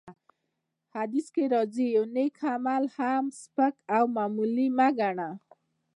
حديث کي راځي : يو نيک عمل هم سپک او معمولي مه ګڼه!